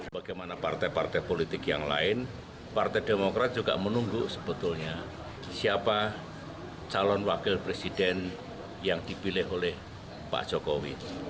bagaimana partai partai politik yang lain partai demokrat juga menunggu sebetulnya siapa calon wakil presiden yang dipilih oleh pak jokowi